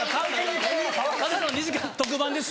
ただの２時間特番です